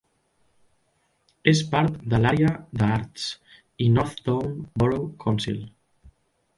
És part de l'àrea de Ards i North Down Borough Council.